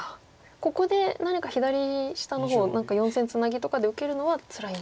ここで何か左下の方４線ツナギとかで受けるのはつらいんですか。